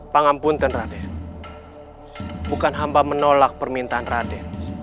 pangampunten raden bukan hamba menolak permintaan raden